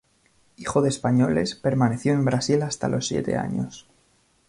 Hijo de españoles, permaneció en Brasil hasta los siete años.